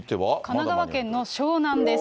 神奈川県の湘南です。